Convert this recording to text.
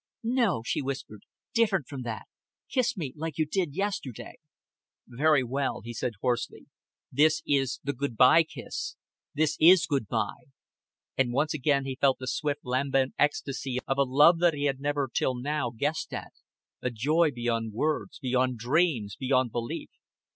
"No," she whispered. "Different from that. Kiss me like you did yesterday." "Very well," he said hoarsely. "This is the good by kiss. This is good by." And once again he felt the swift lambent ecstasy of a love that he had never till now guessed at; a joy beyond words, beyond dreams, beyond belief.